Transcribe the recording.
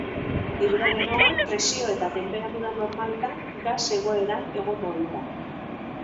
Hidrogenoa, presio eta temperatura normaletan, gas-egoeran egon ohi da.